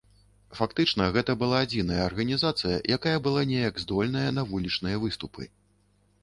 Фактычна гэта была адзіная арганізацыя, якая была неяк здольная на вулічныя выступы.